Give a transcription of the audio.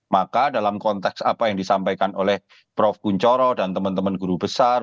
maka dalam konteks apa yang disampaikan oleh prof kunchoro dan teman teman guru besar